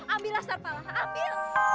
ambillah serpalah ambil